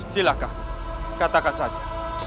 silahkan katakan saja